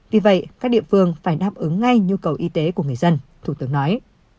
vì vậy các địa phương phải đáp ứng ngay nhu cầu y tế của người dân thủ tướng nói